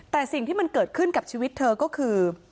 แต่สิ่งที่มันเกิดขึ้นกับชีวิตเธอก็คือ